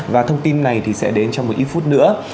và thông tin này thì sẽ đến trong một ít phút nữa